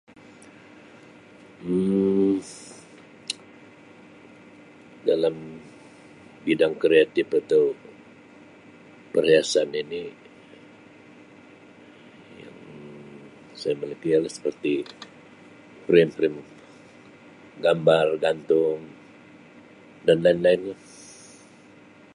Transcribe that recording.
Um Dalam bidang kreatif atau perhiasan ini yang saya boleh [unintelligible] seperti frame-frame gambar gantung dan lain-lain lah.